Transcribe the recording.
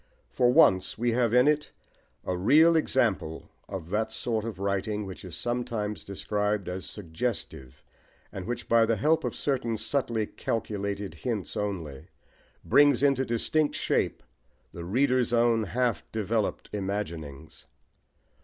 For once we have in it a real example of that sort of writing which is sometimes described as suggestive, and which by the help of certain subtly calculated hints only, brings into distinct shape the reader's own half developed imaginings.